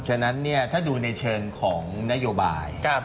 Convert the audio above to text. ฉะนั้นถ้าดูในเชิงของนโยบาย